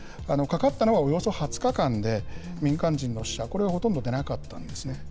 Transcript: かかったのはおよそ２０日間で、民間人の死者、これはほとんど出なかったんですね。